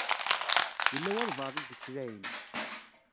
Yella walebɛaḍ i d-ittlaɛin.